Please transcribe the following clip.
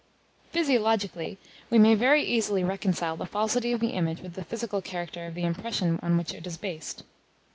Physiologically, we may very easily reconcile the falsity of the image with the physical character of the impression on which it is based.